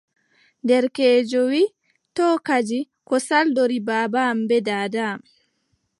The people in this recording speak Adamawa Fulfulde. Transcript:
Derkeejo wiʼi: to kadi, ko saldori baaba am bee daada am,